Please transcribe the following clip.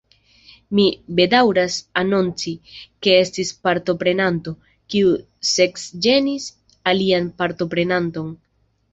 Mi bedaŭras anonci, ke estis partoprenanto, kiu seksĝenis alian partoprenanton.